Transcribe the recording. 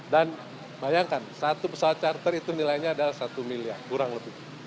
dan bayangkan satu pesawat charter itu nilainya adalah satu miliar kurang lebih